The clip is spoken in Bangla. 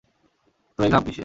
তো এই ঘাম কিসের?